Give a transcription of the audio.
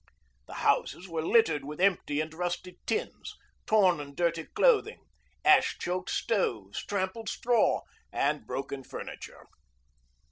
The houses were littered with empty and rusty tins, torn and dirty clothing, ash choked stoves, trampled straw, and broken furniture.